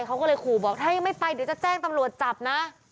เขาก็เลยขู่บอกถ้ายังไม่ไปเดี๋ยวจะแจ้งตำรวจจับนะ